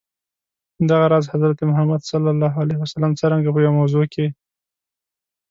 دغه راز، حضرت محمد ص څرنګه په یوه موضوع کي.